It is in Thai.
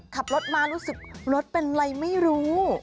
ขับรถมารู้สึกรถเป็นอะไรไม่รู้